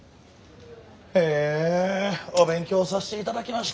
へえお勉強させて頂きました。